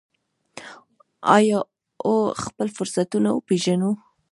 آیا او خپل فرصتونه وپیژنو؟